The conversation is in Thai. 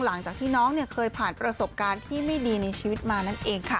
หลังจากที่น้องเคยผ่านประสบการณ์ที่ไม่ดีในชีวิตมานั่นเองค่ะ